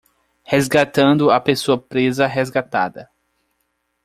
Resgatando a pessoa presa resgatada